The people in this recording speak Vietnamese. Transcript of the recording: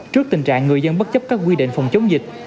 trước tình trạng người dân bất chấp các quy định phòng chống dịch